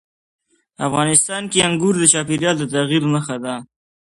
افغانستان کې انګور د چاپېریال د تغیر نښه ده.